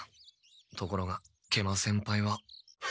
ところが食満先輩は。